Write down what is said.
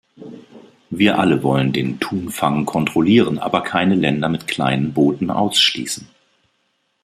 Wir alle wollen den Thunfang kontrollieren, aber keine Länder mit kleinen Booten ausschließen.